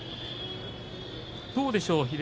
どうでしょう